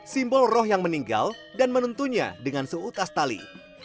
simbol roh yang meninggal dan menentunya dengan seutas tali